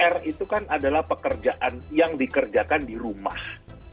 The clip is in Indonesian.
r itu kan adalah pekerjaan yang dikerjakan di rumah